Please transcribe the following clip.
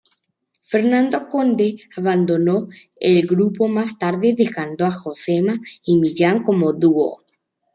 Fernando Conde abandonó el grupo más tarde, dejando a Josema y Millán como dúo.